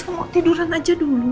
kamu tiduran aja dulu